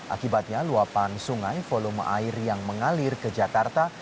akibatnya luapan sungai volume air yang mengalir ke jakarta